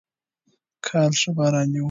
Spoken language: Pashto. کال ښه باراني و.